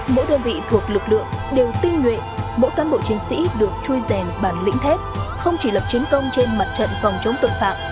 mỗi đơn vị thuộc lực lượng đều tinh nguyện mỗi cán bộ chiến sĩ được chui rèn bản lĩnh thép không chỉ lập chiến công trên mặt trận phòng chống tội phạm